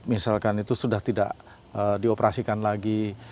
misalkan itu sudah tidak dioperasikan lagi